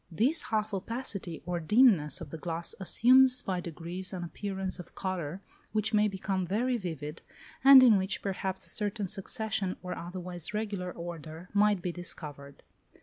This half opacity or dimness of the glass assumes by degrees an appearance of colour which may become very vivid, and in which perhaps a certain succession, or otherwise regular order, might be discovered.